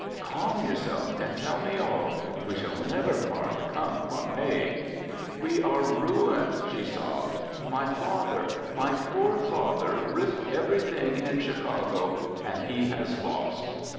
"Calm yourself and tell me all. We shall never part, come what may." "We are ruined," she sobbed. "My father, my poor father risked everything in Chicago and he has lost.